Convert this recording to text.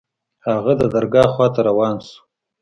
هغه د درګاه خوا ته روان سو.